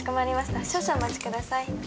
はい。